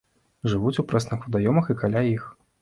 Жывуць у прэсных вадаёмах і каля іх.